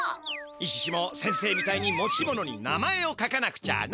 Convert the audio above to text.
イシシもせんせいみたいに持ち物に名前を書かなくちゃな。